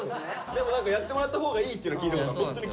でも何かやってもらったほうがいいっていうのは聞いたことある。